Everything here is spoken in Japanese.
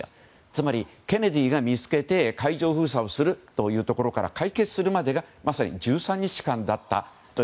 つまり、ケネディが見つけて海上封鎖をするところから解決するまでがまさに１３日間だったと。